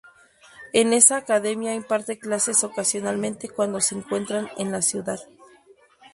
En esa academia imparte clases ocasionalmente cuando se encuentra en la ciudad.